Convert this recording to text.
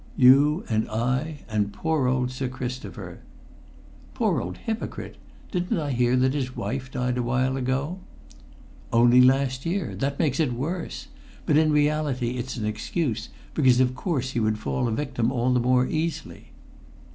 "You, and I, and poor old Sir Christopher." "Poor old hypocrite! Didn't I hear that his wife died a while ago?" "Only last year. That makes it sound worse. But in reality it's an excuse, because of course he would fall a victim all the more easily."